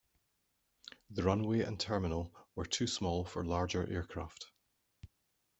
The runway and terminal were too small for larger aircraft.